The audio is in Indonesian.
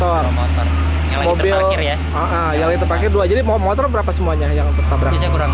oh dua motor mobil ya yang terpakai dua jadi motor berapa semuanya yang terkabar kurang